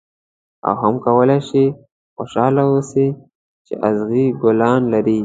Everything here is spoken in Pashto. او هم کولای شې خوشاله اوسې چې اغزي ګلان لري.